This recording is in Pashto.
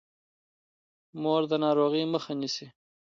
مور د ناروغۍ مخه نیسي.